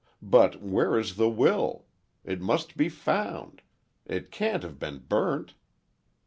But where is the will? It must be found! It can't have been burnt!"